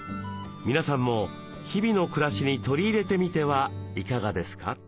皆さんも日々の暮らしに取り入れてみてはいかがですか？